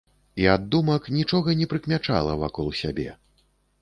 І ад думак нічога не прыкмячала вакол сябе.